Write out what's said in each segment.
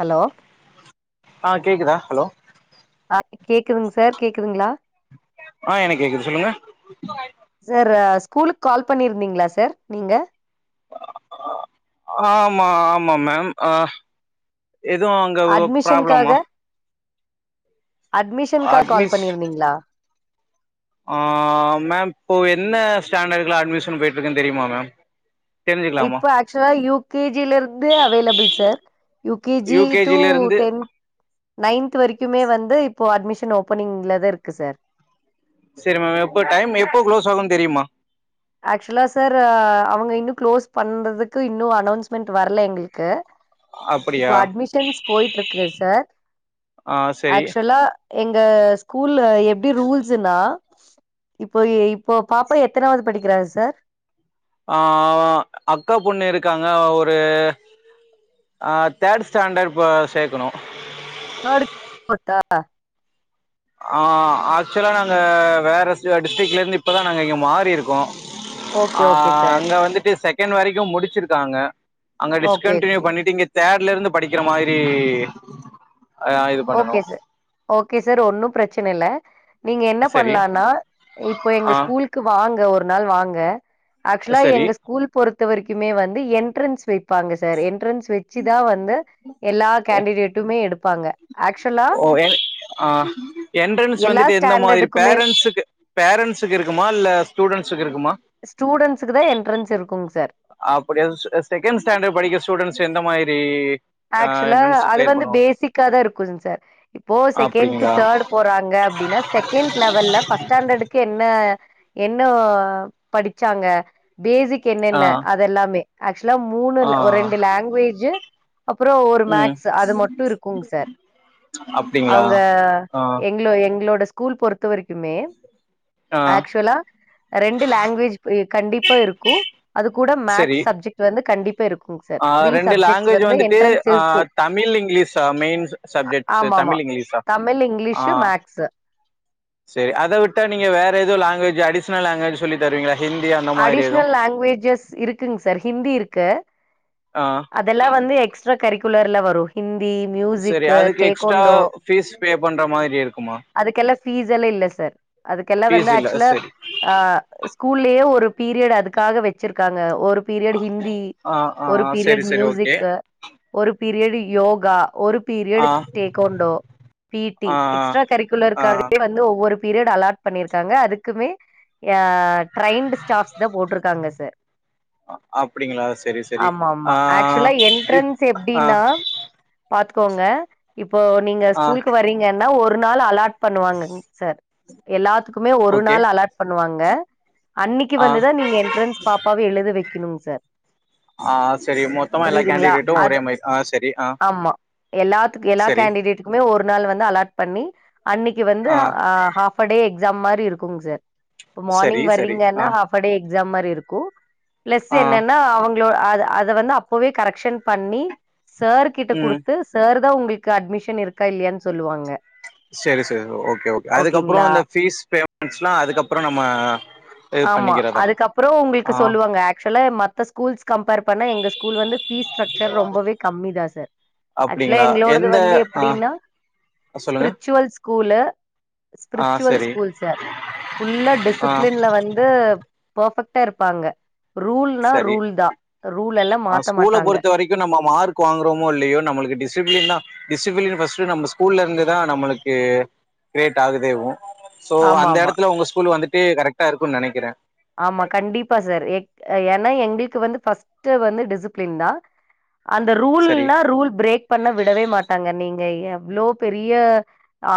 Hello ஆ கேக்குதா hello அ கேக்குதுங் சார் கேக்குதுங்களா ஆ எனக் கேக்குது சொல்லுங்க சார் அ ஸ்கூலுக்கு கால் பண்ணிருந்தீங்களா சார் நீங்க ஆமா ஆமா மேம் அ எதுவு அங்க ப்ராப்ளமா அட்மிஷன்கா கால் அட்மிஸ் பண்ணிருந்தீங்களா ஆ மேம் இப்போ என்ன ஸ்டாண்டர்ட்க்லா அட்மிஷன் போய்ட்டு இருக்குன் தெரியுமா மேம் தெரிஞ்சுக்கலாமா இப்போ ஆக்சுவலா யூ கே ஜி ல இருந்து available sir U K G to ten ninth வரைக்குமே வந்து இப்போ அட்மிஷன் ஓபனிங்ல தா இருக்கு சார் செரி மேம் எப்போ டைம் எப்போ க்ளோஸ் ஆகும்ன்னு தெரியுமா ஆக்சுவலா சார் அவுங்க இன்னு க்ளோஸ் பண்றதுக்கு இன்னு அனௌன்ஸ்மெண்ட் வர்ல எங்களுக்கு அப் இப்ப அட்மிஷன்ஸ் போய்ட்டு இருக்கு சார் ஆ சரி ஆக்சுவலா எங்க ஸ்கூல்ல எப்டி ரூல்ஸ்ன்னா இப்போ எ இப்போ பாப்பா எத்தானாவது படிக்கிறா சார் ஆ அக்கா பொண்ணு இருக்காங்க ஒரு அ தேர்ட் ஸ்டாண்டர்ட் இப்ப சேக்கணு தேர்டுக் போர்த்தா ஆ ஆக்சுவலா நாங்க வேற சே டிஸ்ட்ரிக்ல இருந்து இப்பதா நாங்க இங்க மாறிருக்கோ ஓகே ஆ ஓகே சார் அங்க வந்துட்டு செகண்ட் வரைக்கு முடிச்சிருக்காங்க அங்க ஓகே டிஸ்கண்டடினியூ ஓகே பண்ணிட்டு இங்க தேர்ட்ல இருந்து படிக்கிற மாரி ஓகே சார் ஓகே சார் ஒன்னு ப்ரச்சன இல்ல நீங்க என்ன சரி பண்லானா இப்ப எங்க ஆ ஸ்கூல்க்கு வாங்க ஒரு நாள் வாங்க ஆக்சுவலா சரி எங்க ஸ்கூல் பொறுத்த வரைக்குமே வந்து எண்ட்ரன்ஸ் வப் பாங்க சார் எண்ட்ரன்ஸ் வச்சு தா வந்து எல்லா கேண்டிடேட்டுமே எடுப்பாங்க ஆக்சுவலா ஓ எ அ எண்ட்ரன்ஸ் எல்லா வந்துட்டு எந்த மாரி ஸ்டாண்டர்டுக்குமே பேரண்ட்ஸுக்கு பேரண்ட்ஸுக்கு இருக்குமா இல்ல ஸ்டூடண்ட்ஸுக்கு இருக்குமா ஸ்டூடண்ட்ஸுக்குதா எண்ட்ரன்ஸ் இருக்குங் சார் அப்டியா செகண்ட் ஸ்டாண்டர்ட் படிக்கிற ஸ்டூடெண்ட்ஸ் எந்த மாரி ஆக்சுவலா அது வந்து பேசிக்காதா இருக்கு சார் இப்போ செகண்ட் டூ அப்படிங்களா தேர்ட் போறாங்க அப்டின்னா செகண்ட் லெவல்ல ஃபர்ஸ்ட் ஸ்டாண்டர்டுக்கு என்ன என்ன படிச்சாங்க பேசிக் ஆ கென்னென்ன அதல்லாமே ஆக்சுவலா மூணு ஆ லா ஒரு ரெண்டு லாங்வேஜ்ஜூ அப்றோ ஒரு ம் மேக்ஸ் அது மட்டு இருக்குங் சார் அப்டிங்களா அவ்ங்க ஆ எங் களோ எங்களோட ஸ்கூல் பொறுத்த வரைக்குமே ஆ ஆக்சுவலா ரெண்டு லாங்வேஜ் இப் ஏ கண்டிப்பா இருக்கு அது கூட சரி மேக்ஸ் சப்ஜெக்ட் வந்து கண்டிப்பா இருக்கு ஆ ரெண்டு லாங்குவேஜ்ஜி வந்துட்டு [unintelligible] அ இருக்கு தமிழ் இங்கிலீஸா மெயின் சப்ஜெக்ட்ஸ் ஆமாமா தமிழ் இங்கிலீஸா தமிழ், ஆ இங்கிலீஷு, மேக்ஸு. செரி அத விட்டா நீங்க வேற எது லாங்வேஜ் அடிஸ்னல் லாங்வேஜ் சொல்லி தர்வீங்களா ஹிந்தி அந்த மாரி எது லாங்வேஜஸ் இருக் குங்க சார் ஹிந்தி இருக்கு ஆ அதெல்லா வந்து எக்ஸ்ட்ரா கரிக்குலர்ல வரு ஹிந்தி சரி மியூசிக்கு அதுக்கு எக்ஸ்ட்ரா டேகோண்டோ ஃபீஸ் பே பண்ற மாரி இருக்குமா அதுக்கெல்லா ஃபீஸ் எல்லா இல்ல சார் அதுக்கெல்லா வந்து ஃபீஸ் இல்ல ஆக்சுலா சரி ஆ ஸ்கூல்லயே ஒரு பீரியட் அதுக்காக வச்சிருக்காங்க ஒரு பீரியட் ஹிந்தி ஆ ஆ ஒரு ஆ, சரி பீரியட் சரி ஓகே மியூசிக்கு ஒரு பீரியட் யோகா ஒரு ஆ பீரியட் டேக்கோண்டோ பி டி ஆ எக்ஸ்ட்ரா ஆ கரிக்குலர்காகவே வந்து ஒவ்வொரு பீரியட் அலாட் பண்ணியிருக்காங்க அதுக்குமே யா ட்ரைண்டு ஸ்டாஃப்ஸ் தா போட்ருக்காங்க சார் அ- அப்படிங்களா சரி சரி ஆமா ஆமா ஆ ஆக்சுவலா இப் என்ட்ரன்ஸ் ஆ எப்டினா பாத்துக்கோங்க இப்போ நீங்க ஆ ஸ்கூலுக்கு வர்றீங்கன்னா ஒரு நாள் அலாட் பண்ணுவாங்கங்க சார் எல்லாத்துக்குமே ஒரு ஓகே நாள் அலாட் பண்ணுவாங்க அன்னைக்கு ஆ வந்துதா நீங்க என்ட்ரன்ஸ் பாப்பாவ எழுத வெக்கணு சார் ஆ சேரி மொத்தமா எல்லா புரியுதுங்களா கேண்டிடேட்டு ஒரே மாரி ஆ சேரி ஆ எல்லாத்துக் எல்லா சரி கேண்டிடேட்டுக்குமே ஒரு நாள் வந்து அலாட் பண்ணி அன்னைக்கு வந்து ஆ ஹாவ் ப்டே எக்ஸாம் மாரி இருக்குங்க சார் இப்ப சரி மார்னிங் சரி ஆ வர்றீங்கன்னா ஹாப் டே எக்ஸாம் மாரி இருக்கு ப்ளஸ் ஆ எனன்னா அவுங் க அத அத வந்து அப்பவே கரெக்க்ஷன் பண்ணி சார் கிட்ட ம் குடுத்து சார்தா உங்களுக்கு அட்மிஷன் இருக்கா இல்லயானு சொல்லுவாங்க சேரி சேரி ஓகே ஓகே அதுக்கப்றோ ஓகேங்களா இந்த ஃபீஸ் பேமெண்ட்ஸ்லா அதுக்கப்றோ நம்ம இது ஆமா பண்ணிக்கிறதா அதுக்கப்றோ உங்களுக்கு ஆ சொல்லுவாங்க ஆக்சுவலா மத்த ஸ் ஸ்கூல்ஸ் கம்பேர் பண்ணா எங்க ஸ்கூல் வந்து ஃபீஸ் ஸ்ட்ரக்சர் ரொம்பவே கம்மி தா சார் ஆக்சுவலா அப்டிங்களா எங்களோடது எந்த வந்து ஆ எப்டினா சொல்லுங்க ஸ்பிரிட்சுவல் ஸ்கூலு ஆ ஸ்பிரிச்சுவல் சரி ஸ்கூல் சார் ஃபுல்லா ஆ டிஸிப்ளின்ல வந்து பர்ஃபெக்ட்டா இருப்பாங்க ரூல்னா சரி ரூல்தா ரூல் எல்லா ஆ மாத்த ஸ்கூல மாட்டாங்க பொறுத்த வரைக்கு நம்ம மார்க் வாங்குறாமோ இல்லையோ நம்மளுக்கு டிசிப்ளின் தா டிசிப்ளின் ஃபர்ஸ்ட் நம்ப ஸ்கூல்ல இருந்து தா நம்மளுக்கு கிரியேட் ஆகுதேவு சோ ஆமா அந்த ஆமா இடத்துல உங்க ஸ்கூல் வந்துட்டு கரெக்டா இருக்குனு நெனைக்குறே ஆமா கண்டிப்பா சார் ஏ ஏனா எங்களுக்கு வந்து ஃபர்ஸ்ட் வந்து டிசிப்ளின் தா அந்த சரி ரூல்னா ரூல் பிரேக் பண்ண விடவே மாட்டாங்க நீங்க எவ்ளோ பெரிய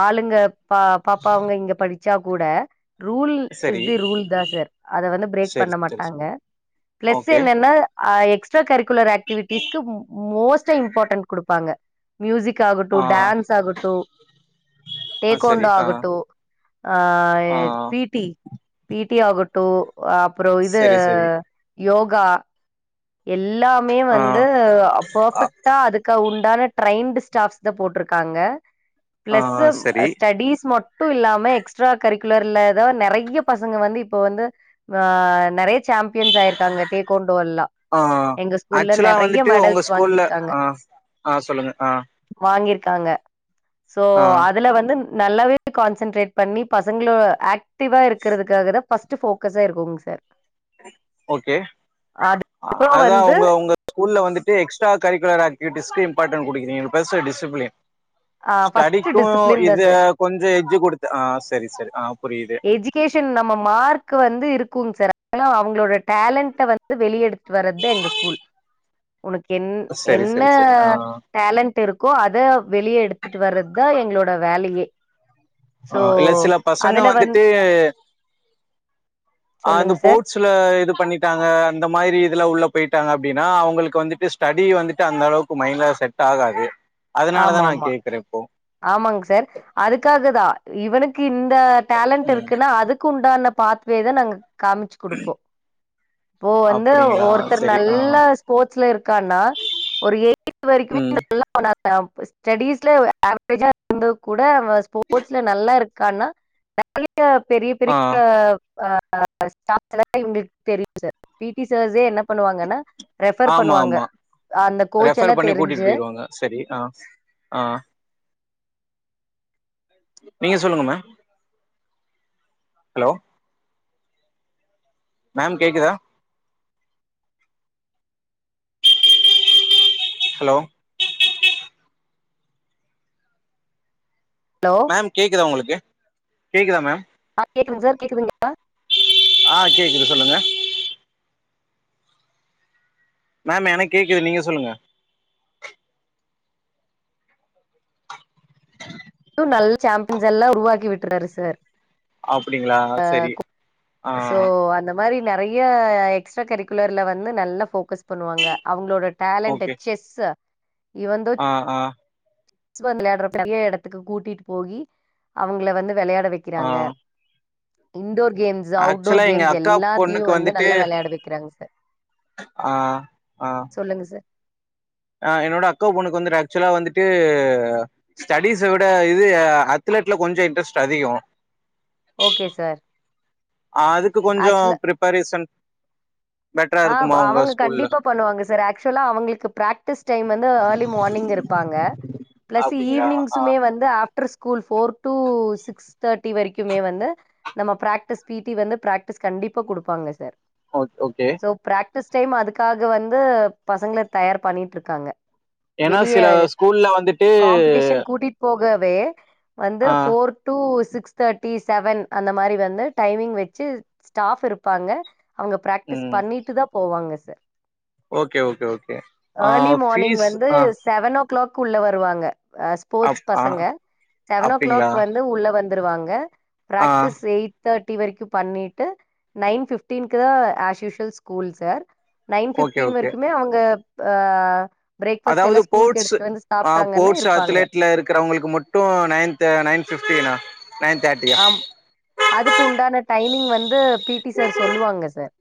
ஆளுங்க பா பாப்பா அவுங்க இங்க படிச்சா கூட ரூல் இஸ் சரி தி ரூல் தா சார் அத வந்து பிரேக் சரி பண்ண சரி மாட்டாங்க ப்ளஸ் ஓகே எனன்னா ஆ எக்ஸ்ட்ரா கரிக்குலர் ஆக்டிவிட்டிஸ்கு மோஸ்டா இம்பார்டண்ட் குடுப்பாங்க மியூசிக் ஆகடு ஆ டான்ஸ் ஆகடு ஆ சரி டேக்கோண்டோ ஆ ஆகடு ஆ ஆ பி டி பி டி ஆகடு அப் அப்றோ இது சரி சரி யோகா எல்லாமே ஆ வந்து அ ஆ பர்ஃபெக்ட் டா அதுக்கு உண்டான ட்ரெயின்டு் ஸ்டாஃப்ஸ் தா போடுருக்காங்க ஆ ப்ளஸ்சு சரி ஸ்டடிஸ் மட் டும் இல்லாம எக்ஸ்ட்ரா கரிக்குலர்ல தா நெறைய பசங்க வந்து இப்ப வந்து ஆ நெறைய சாம்பியன்ஸ் ஆயிருக்காங்க டேக்கோண்டோலா ஆ ஆக்சுவலா வந்துட்டு உங்க ஸ்கூல்ல ஆ ஆ சொல்லுங்க ஆ வாங்கிருக்காங்க சோ ஆ அதுல வந்து நல்லாவே கான்சென்ட்ரேட் பண்ணி பசங்களோ ஆக்டிவா இருக்கறதுக்காக தா ஃபஸ்ட்டு ஃபோக்கஸா இருக்குங்க சார் ஓகே அதுக்கப்புறம் அதா வந்து உங்க உங்க ஸ்கூல்ல வந்துட்டு எக்ஸ்ட்ரா கரிக்குலர் ஆக்டிவிட்டிஸ்கு இம்பார்டண்ட் குடுக்கறீங்க பிளஸ்ஸ டிசிப்ளின் ஆ ஃபர்ஸ்ட்டு ஸ்டடிக்கு டிசிப்ளின் தான் சார். இது கொஞ்சோ எட்ஜு குடுத்து ஆ செரி செரி ஆ புரியுது எஜுகேஷன் நம்ம மார்க் வந்து இருக்கும் சார் ஆனா அவுங்களோட டேலண்ட வந் து வெளிய எடுத்துட்டு வர்றதுதா எங்க ஸ்கூல் உனக்கு என் சரி என்ன சரி சரி ஆ டேலண்ட் இருக்கோ அத வெளிய எடுத்துட்டு வர்றதா எங்களோட வேலயே ஆ இல்ல சில பசங்க அதுல வந் வந்துட்டு அ அந்த சொல்லுங்க சார் போட்ஸ் இதுல இது பண்ணிட்டாங்க அந்த மாரி இதுல உள்ள போயிட்டாங்க அப்டின்னா அவுங்களுக்கு வந்துட்டு ஸ்டடி வந்துட்டு அந்த அளவுக்கு மைண்டல செட் ஆகாது அதனால தா ஆமா நா ஆமா கேட்கற இப்போ ஆமாங்க சர் அதுக்காக தா இவனுக்கு இந்த டேலன்ட் ம் இருக்குன்னா அதுக் குண்டான பாத்வேவ நாங்க காமிச்சு குடுப்போ இப்போ வந்து அப்டிங்களா ஒருத்தர் சரி ஆ நல்லா ஸ்போர்ட்ஸ்ல இருக்கான்னா ஒரு எய்ட்த் வரைக்குமே ம் நல்லா பன்னாங்க ஸ்டடீஸ்ல ஒரு ஆவரேஜா இருந்து கூட அவே ஸ்போட்ஸ்ல நல்லா இருக்கான்னா கல்யாண பெரிய பெரிய ஆ ஆ ஆ ஸ்டாஃப்க எல்லாத்தயு இவுங்களுக்கு தெரியும் சார். பி டி சர்ஸே என்ன பண்ணுவாங்கன்னா ரெஃபர் ஆமா பண்ணுவாங்க ஆமா அந்த கோச் ரெஃபர் எல்லாம் பண்ணி தெரிஞ்சு கூட்டிட்போயிருவாங்க செரி ஆ ஆ நீங்க சொல்லுங்க மா ஹலோ மேம் கேக்குதா ஹலோ ஹலோ மேம் கேக்குதா உங்களுக்கு கேக்குதா மேம் ஆஹ் கேக்குதுங்க சார் கேக்குதுங்களா ஆஹ் கேக்குது சொல்லுங்க மேம் எனக்கு கேக்குது நீங்க சொல்லுங்க இவரு நல்ல சாம்பியன்ஸ் எல்லா உருவாக்கி விட்டுர்றாரு சார் அப்டிங்களா ஆஹ் சரி கொ ஆ சோ அந்த இது மாரி நெறைய எக்ஸ்ட்ரா கரிக்குலர்ல வந்து நல்லா ஃபோக்கஸ் பண்ணுவாங்க அவுங்களோட டேலண்ட்டு ஓகே செஸ் இவந்தோ ஆ ஆ ஸ்பந்து வெளையாட்ரப்ப பெரிய எடத்துக்கு கூட்டிட்டு போயி அவுங்கள வந்து வெளையாட வெக்கிறாங்க ஆ இன்டோர் கேம்ஸ் ஆக்சுவலா அவுட்டோர் எங்க கேம்ஸ் அக்கா எல்லாத்துலயு பொண்ணுக்கு வந்து வந்துட்டு நல்லா வெளையாட வெக்கிறாங்க சார் ஆ ஆ சொல்லுங்க சார் ஆ என்னோட அக்கா பொண்ணுக்கு வந்துட்டு ஆக்சுவலா வந்துட்டு ஸ்டடிஸ்விட இது அத்லெட்ல கொஞ்சோ இன்ட்ரெஸ்ட் அதிகோ ஓகே சார் அதுக்கு கொஞ்சோ ஆக்சுவலா ப்ரிப்பரேஸன் ஆப் அவுங்க கண்டிப்பா பண்ணுவாங்க சார் ஆக்சுவலா அவுங்களுக்கு பிராக்டிஸ் டைம் வந்து ஏர்லி மோனிங் இருப்பாங்க பிளஸ் அப்டிங்களா ஆ ஈவ்னிங்ஸுமே வந்து ஆப் after school four to six தேட்டி வரைக்குமே வந்து நம்ம பிராக்டிஸ் பி டி வந்து பிராக்டிஸ் கண்டிப்பா குடுப்பாங்க சார் ஓக் okay so practice time அதுக்காக வந்து பசங்கள தயார் பண்ணிட்ருக்காங்க ஏன்னா வெளிய சில ஸ்கூல்ல வந்துட்டு காம்ப்பிடிஷன் கூட்டிட்ப்போகவே வந்து ஆ ஃபோர் டூ சிக்ஸ் தேட்டி செவன் அந்த மாரி வந்து டைமிங் வச்சு ஸ்டாஃப் இருப்பாங்க அவுங்க பிராக்டிஸ் பண்ணிட்டு தா போவாங்க சார் ஓக்கே ஓக்கே ஓக்கே ஆ ஏர்லி மார்னிங் ஃபீஸ் வந்து அ செவன் ஓ கிளாக் உள்ள வருவாங்க ஆ அப் ஸ்போட்ஸ் ஆ பசங்க செவன் ஓ அப்டிங்களா கிளாக் வந் து உள்ள வந்துருவாங்க ஆ பிராக்டிஸ் எய்ட் தேட்டி வரைக்கு பண்ணிட்டு நைன் ஃபிஃப்டீன்க்கு as usual school sir nine okay fifteen okay வரைக்குமே அவுங்க ப அதாவது போட்ஸ் ஆ போட்ஸ் இருப்பாங்க அத்தலெட்ல இருக்கறவங்களுக்கு மட் டூ நைன்த்த நைன் ஃபிஃப்டீனா நைன் தேட்டி ஆம் அதுக்கு உண்டான டைமிங் வந்து பி டி சார் சொல்லுவாங்க சார்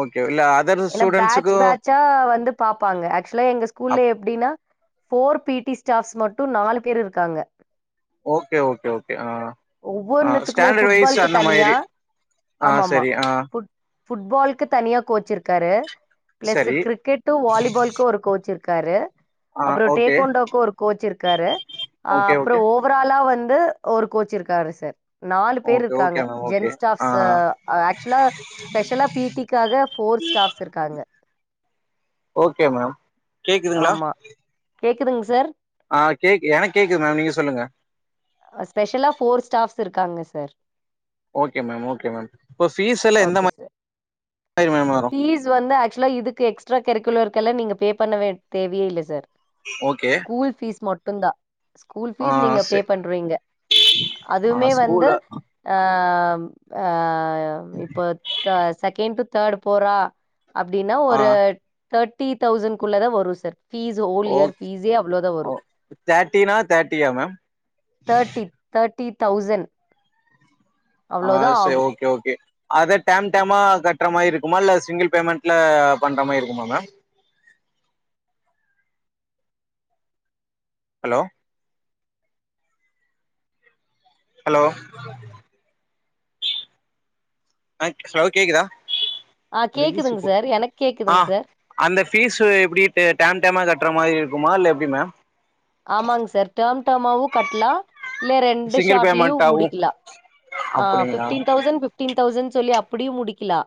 ஓக்கே இல்ல அதர் ஸ்டூடன்ஸுக்கு ச்சா வந்து பாப்பாங்க ஆக்சுலா எங்க ஸ்கூல்ல அப் எப்டின்னா ஃபோர் பீட்டி ஸ்டாஃப்ஸ் மட்டு நாலு பேரு இருக்காங்க ஓக்கே ஓக்கே ஓக்கே ஆ ஆ ஒவ்வொன்த்துக்குமே ஸ்டாண்டர்ட் வைஸ் ஃபுட்பால்க்கு அந்த தனியா மாரி ஆ ஆமாமா சரி ஆ ஃபுட்பால்க்கு தனியா கோச் இருக்காரு பிளஸ் சரி கிரிக்கெட்டு வாலிபால்க் ஒரு கோச் இருக்காரு ஆ அப்றோ ஓகே டேகொண்டோக்கு ஒரு கோச் இருக்காரு அ ஓகே அப்றோ ஓகே ஓ ஓவராலா வந்து ஒரு கோச் இருக்காரு சார் நாலு பேரு ஓகே இருக்காங்க ஓகே மேம் ஓகே ஜென்ஸ் ஆ ஸ்டாஃப்ஸூ ஆக்சுலா ஸ்பெஷலா பீட்டிக்காக ஃபோர் ஸ்டாஃப்ஸ் இருக்காங்க ஓக்கே மேம் கேக்குதுங்களா ஆமா கேக்குதுங் சார் ஆ கேக் எனக் கேக்குது மேம் நீங்க சொல்லுங்க அ ஸ்பெஷலா ஃபோர் ஸ்டாஃப்ஸ் இருக்காங்க sir okay ma'am okay ma'am இப்ப பீஸலா எந்த ஓகே மா சார் ஃபீஸ் வந்து ஆக்சுலா இதுக்கு எக்ஸ்ட்ரா கரிக்குலர்கெல்லா நீங்க பே பண்ணவே தேவையே இல்ல சார் ஓகே ஸ்கூல் ஃபீஸ் மட்டுந்தா ஸ்கூல் ஆ ஃபீஸ் நீங்க பே சே பண்றீங்க ஆ அதுமே வந்து ஸ்கூல்ல ஆம் ஆ இப்போ த செகெண்ட் டு தேடு போறா அப்டின்னா ஆ ஒரு தேட்டி தௌசன்க்குள்ளர வரு சர் ஃபீஸ் ஹோல் ஓ இயர் ஃபீஸே அவ்ளோதா ஓ வரு தேர்ட்டினா தேர்ட்டியா மேம் தேட்டி தேட்டி தௌசன் ஆ சே ஓக்கே ஓக்கே அத டேம் டேமா கட்ற மாறி இருக்குமா இல்ல சிங்கிள் பேமெண்ட்ல பண்ற மாறி இருக்குமா மேம் ஹலோ ஹலோ ஆ ஆக் சவு கேக்குதா ஆ அந்த ஈசி கேக்குதுங் போ சார் எனக்கு ஆ கேக்குதுங் சார் அந்த ஃபீஸ்ஸு எப்டி டே டேம் டேமா கட்ற மாறி இருக்குமா இல்ல எப்டி மேம் ஆமாங் சார் டேம் டேமாவு கட்லா இல்ல ரெண்டு சிங்கிள் ஷாட்லயு பேமெண்ட்டாவு முடிக்ல்லா ஆ அப்டிங்களா பிஃப்டீன் தௌசண்ட் பிப்டீன் தௌசண் சொல்லி அப்டியு முடிக்கிலா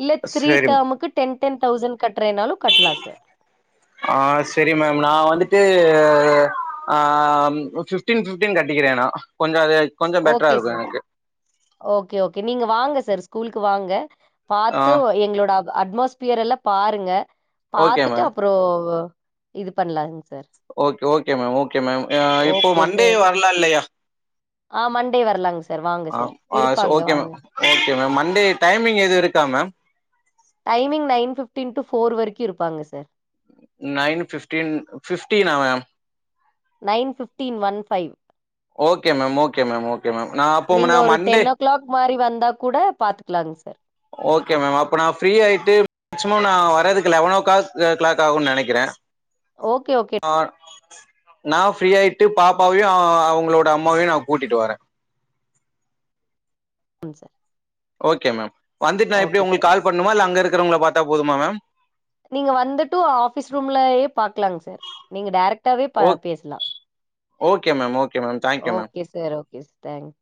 இல்ல த்ரீ சரி ம் டேம்க்கு டென் டென் தௌசண் கட்றேனாலு கட்லா சார் ஆ செரி மேம் நா வந்துட்டு ஆ பிப்டீன் பிப்டீன் கட்டிக்கிறே நா கொஞ்சோ அது ஐ ஓகே சார் ஓகே ஓகே நீங்க வாங்க சார் ஸ்கூலுக்கு வாங்க ஆ பாத்து ஒ எங்களோட அட்மாஸ்பியரெல்லா பாருங்க ஓகே பாத்துட்டு மேம் அப்றோ இது பண்லாங் okay okay ma'am okay ma'am அ இப்போ ஓகே மண்டே சார் வரலா இல்லையா ஆ மண்டே வரலாங்க சார் வாங்க ஆ சார் ஆ இருப்பாங்க ஓகே வாங்க ma'am okay ma'am Monday timing எது இருக்கா ma'am timing nine fifteen to four வரைக்கு இருப்பாங்க சார் நைன் பிஃப்டீன் பிஃப்டீனா ma'am nine fifteen one five okay ma'am okay ma'am okay ma'am நான் அப்போ நீங்க நான் ஒரு மண்டே டென் ஓ க்ளாக் மாரி வந்தா கூட பாத்துக்கலாங்க சார் ஓகே மேம் அப்ப நா ஃப்ரீ ஆய்ட்டு மேக்சிமம் நா வரதுக்கு லெவன் ஓ காள்க் அ க்ளாக் ஆகுன்னு நெனைக்கிறே ஓகே ஓகே அ நா ஃப்ரீ ஆயிட்டு பாப்பாவையு அவுங்களோட அம்மாவையு நா கூட்டிட்டு வரே ம் சார் ஓகே மேம் வந்துட்டு நா எப்டி ஓகே உங்களுக்கு சார் கால் பண்ணனுமா இல்ல அங்க இருக்குறவுங்கல பாத்தா போதுமா மேம் நீங்க வந்துட்டு ஆபிஸ் ரூம்லயே பாக்கலாங்க சார் நீங்க டைரெக்டாவே ப ஓ பேசலா okay ma'am okay ma'am thank you ma'am okay sir okay ஸ் தேங்க்